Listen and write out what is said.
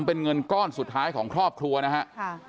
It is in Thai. เป็นเงินก้อนสุดท้ายของครอบครัวนะครับ